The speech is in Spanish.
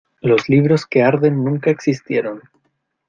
Los libros que arden nunca existieron